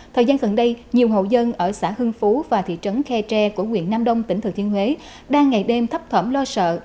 thời gian gần đây nhiều hậu dân ở xã hưng phú và thị trấn khe tre của quyền nam đông tỉnh thực thiên huế đang ngày đêm thắp thỏm lo sợ